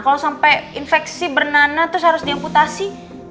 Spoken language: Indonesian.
kalau sampai infeksi bernana terus harus diamputasi